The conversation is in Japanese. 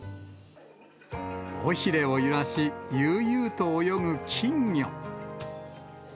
尾ひれを揺らし、悠々と泳ぐ金魚。